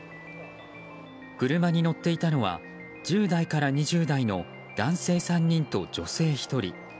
車に乗っていたのは１０代から２０代の男性３人と女性１人。